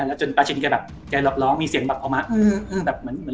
แล้วจนปลาชินแกแบบแกรอบร้องมีเสียงแบบออกมาอืมอืมแบบเหมือนเหมือน